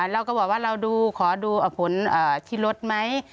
เราก็บอกว่าเราดูขอดูผลที่รถไหม